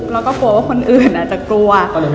แล้วก็กลัวว่าคนอื่นอาจจะกลัว